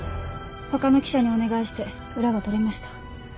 他の記者にお願いして裏が取れました。